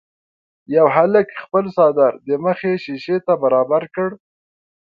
یوه هلک خپل څادر د مخې شيشې ته برابر کړ.